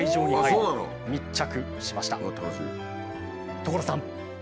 所さん！